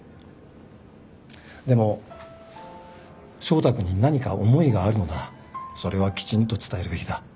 でも翔太くんに何か思いがあるのならそれはきちんと伝えるべきだ。